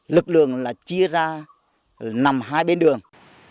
lực lượng là chia ra nằm hai bên đường